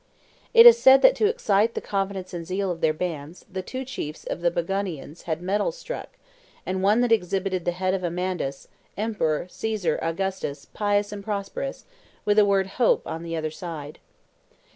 It is said that to excite the confidence and zeal of their bands, the two chiefs of the Bagaudians had medals struck, and that one exhibited the head of Amandus, "Emperor, Caesar, Augustus, pious and prosperous," with the word "Hope" on the other side.